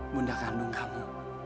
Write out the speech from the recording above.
bunda kandung kamu